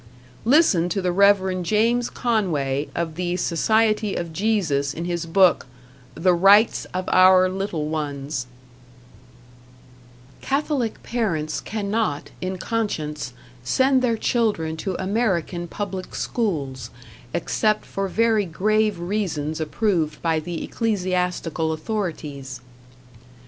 Listen to the Rev. James Conway, of the Society of Jesus, in his book, "The Rights of Our Little Ones": Catholic parents cannot, in conscience, send their children to American public schools, except for very grave reasons approved by the ecclesiastical authorities.